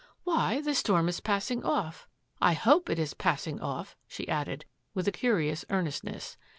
" Why, the storm Is passing off. I hope It Is passing off," she added, with a curious earnest ness.